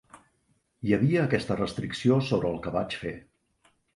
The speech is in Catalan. Hi havia aquesta restricció sobre el que vaig fer.